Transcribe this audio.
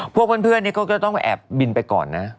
พวกเพื่อนก็จะต้องไปแอบบินไปก่อนนะ